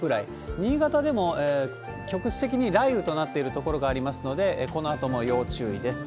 新潟でも局地的に雷雨となっている所がありますので、このあとも要注意です。